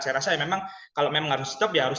saya rasa ya memang kalau memang harus stop ya harus